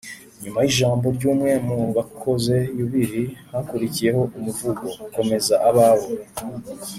nyuma y’ijambo ry’umwe mu bakoze yubile, hakurikiyeho umuvugo « komeza abawe »